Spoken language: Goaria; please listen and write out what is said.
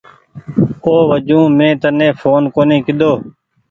او وجون مين تني ڦون ڪونيٚ ڪيۮو۔